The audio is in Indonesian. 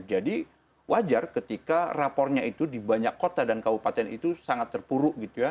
jadi wajar ketika rapornya itu di banyak kota dan kabupaten itu sangat terpuruk